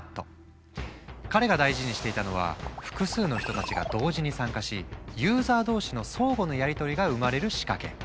彼が大事にしていたのは複数の人たちが同時に参加しユーザー同士の相互のやりとりが生まれる仕掛け。